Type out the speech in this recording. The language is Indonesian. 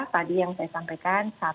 tadi yang saya sampaikan